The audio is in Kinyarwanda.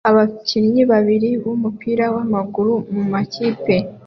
Abakinnyi babiri bumupira wamaguru mumakipe